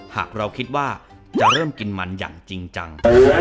หากเราคิดว่าจะเริ่มกินมันอย่างจริงจัง